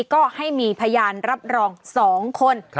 ก็ให้มีพยานรับรอง๒คน